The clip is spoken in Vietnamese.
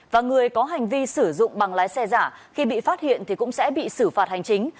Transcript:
và người có hành vi sử dụng bằng lái xe giả khi bị phát hiện thì cũng sẽ bị xử phạt hành chính